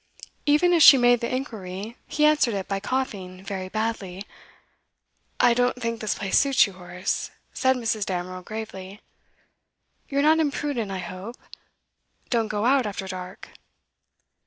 Even as she made the inquiry, he answered it by coughing very badly. 'I don't think this place suits you, Horace,' said Mrs. Damerel gravely. 'You're not imprudent, I hope? Don't go out after dark?